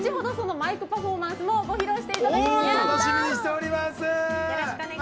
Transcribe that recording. マイクパフォーマンスもご披露していただきます。